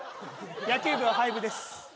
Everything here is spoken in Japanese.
野球部は廃部です